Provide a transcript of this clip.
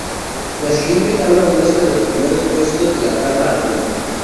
La siguiente tabla muestra los primeros puestos de la Tabla Anual.